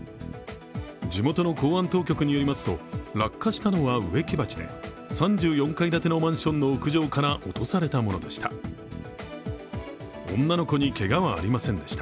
地元の公安当局によりますと、落下したのは植木鉢で３４階建てのマンションの屋上から落とされたものでした。